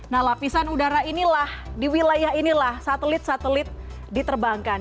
nah lapisan udara inilah di wilayah inilah satelit satelit diterbangkan